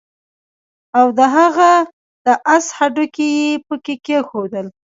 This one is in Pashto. او د هغه د آس هډوکي يې پکي کېښودل